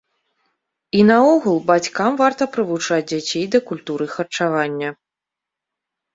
І наогул, бацькам варта прывучаць дзяцей да культуры харчавання.